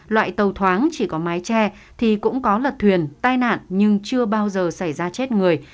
loại tàu thoáng chỉ có mái tre thì cũng có lật thuyền tai nạn nhưng chưa bao giờ xảy ra chết người